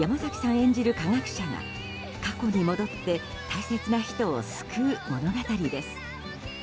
演じる科学者が過去に戻って大切な人を救う物語です。